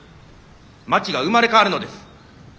町が生まれ変わるのです。